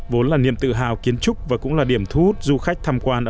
vốn là niềm tự hào kiến trúc và cũng là điểm thu hút du khách tham quan